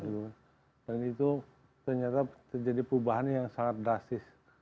dan itu ternyata terjadi perubahan yang sangat drastis